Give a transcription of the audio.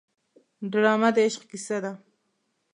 ډرامه د عشق کیسه ده